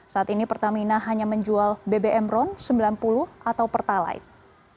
saat ini pertamina hanya menjual bbm ron sembilan puluh atau pertalite